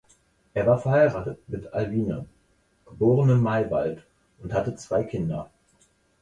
Er war verheiratet mit Alwine, geborene Maywald und hatte zwei Kinder.